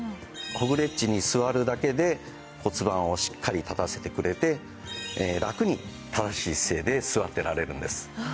ホグレッチに座るだけで骨盤をしっかり立たせてくれてラクに正しい姿勢で座っていられるんです。